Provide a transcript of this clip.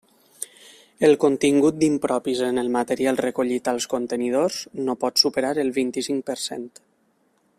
El contingut d'impropis en el material recollit als contenidors, no pot superar el vint-i-cinc per cent.